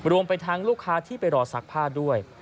รวมไปทั้งลูกค้าที่ไปรอซักผ้าด้วย